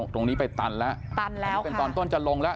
ตรงนี้ไปตันแล้วตอนต้นจะลงแล้ว